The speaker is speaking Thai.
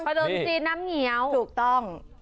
ขนมจีนน้ำเหนียวถูกต้อง